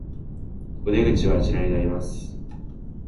お出口はあちらになります